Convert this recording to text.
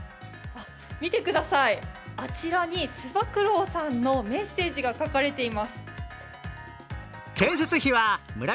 見てください、あちらに、つば九郎さんのメッセージが書かれています。